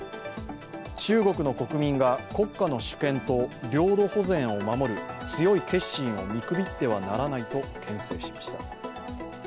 中国の国民が国家の主権と領土保全を守る強い決心をみくびってはならないと、けん制しました。